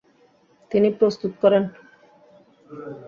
তিনি প্রস্তুত করেন।